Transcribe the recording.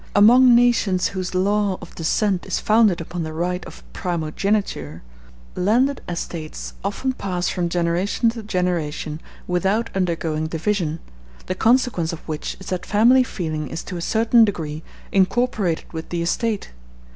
Among nations whose law of descent is founded upon the right of primogeniture landed estates often pass from generation to generation without undergoing division, the consequence of which is that family feeling is to a certain degree incorporated with the estate.